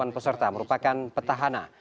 dua puluh delapan peserta merupakan petahana